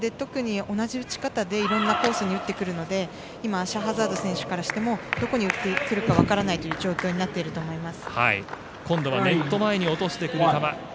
同じ打ち方でいろんなコースに打ってくるので今、シャハザード選手からしてもどこに打ってくるか分からないという状況になっていると思います。